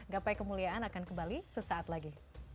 gapai kemuliaan akan kembali sesaat lagi